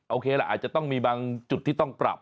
โอเคล่ะอาจจะต้องมีบางจุดที่ต้องปรับ